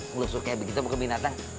ngelusur kayak begitu bukan binatang